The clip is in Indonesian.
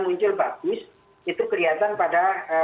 muncul bagus itu kelihatan pada